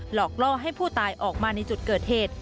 หลอกล่อให้ผู้ตายออกมาในจุดเกิดเหตุ